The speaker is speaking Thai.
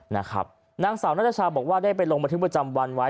นางสาวนัทชาบอกว่าได้ไปลงบันทึกประจำวันไว้